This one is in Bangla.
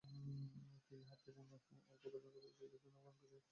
কিন্তু হাতে গোনা অল্প কজন ছদ্মবেশী যোদ্ধাই ঘাম ঝরিয়ে ছাড়লেন খাকি সেনাবাহিনীর।